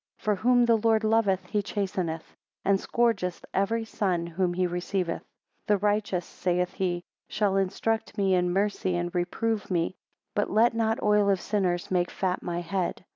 For whom the Lord loveth he chasteneth, and scourgeth every son whom he receiveth. 6 The righteous, saith he, shall instruct me in mercy and reprove me; but let not oil of sinners make fat my head.